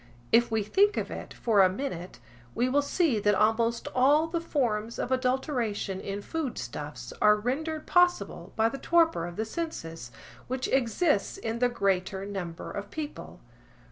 If we think of it for a minute, we will see that almost all the forms of adulteration in food stuffs are rendered possible by the torpor of the senses, which exists in the greater number of people.